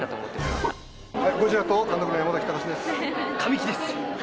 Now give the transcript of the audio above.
神木です。